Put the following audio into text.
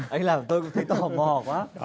anh làm tôi cũng thấy tò mò quá